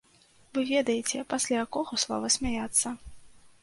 Вы ведаеце, пасля якога слова смяяцца.